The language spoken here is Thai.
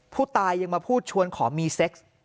ผู้ตายยังมาพูดชวนขอมีเซ็ก